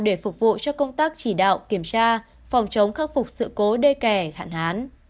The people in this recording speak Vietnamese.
để phục vụ cho công tác chỉ đạo kiểm tra phòng chống khắc phục sự cố đê kè hạn hán